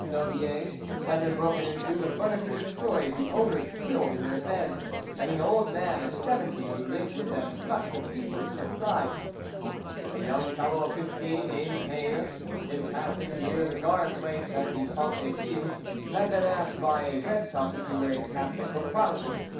Noguies had been broken into, the furniture destroyed, the owners killed in their beds, and an old man of seventy who lived with them cut to pieces with a scythe. A young fellow of fifteen, named Payre, in passing near the guard placed at the Pont des files, had been asked by a red tuft if he were Catholic or Protestant.